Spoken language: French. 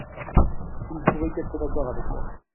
Vous ne pourrez qu’être d’accord avec moi.